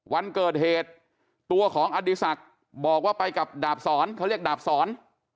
วันเกิดเหตุตัวของอดีศักดิ์บอกว่าไปกับดาบสอนเขาเรียกดาบสอน